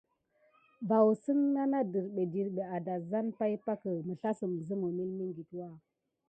Vaoussən na kam nane dərɓé adassane pay pakə, məslassəm zəmə milmiŋɠitwa.